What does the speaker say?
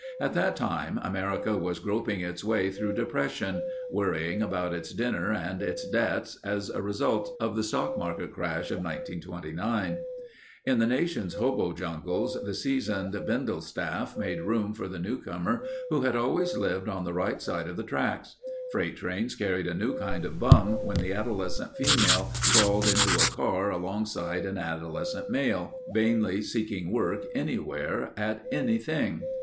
At that time America was groping its way through depression, worrying about its dinner and its debts as a result of the stock market crash of 1929. In the nation's hobo jungles the seasoned "bindle stiff" made room for the newcomer who had always lived on the right side of the tracks. Freight trains carried a new kind of bum when the adolescent female crawled into a car alongside an adolescent male, vainly seeking work anywhere at anything.